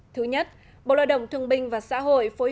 thứ nhất bộ loại đồng thường binh và xã hội